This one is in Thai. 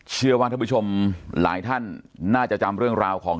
เชื่อว่าท่านผู้ชมหลายท่านน่าจะจำเรื่องราวของ